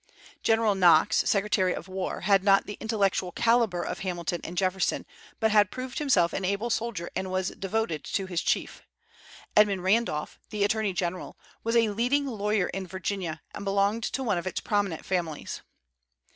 General Knox, Secretary of War, had not the intellectual calibre of Hamilton and Jefferson, but had proved himself an able soldier and was devoted to his chief. Edmund Randolph, the Attorney General, was a leading lawyer in Virginia, and belonged to one of its prominent families.